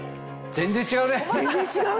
全然違うね。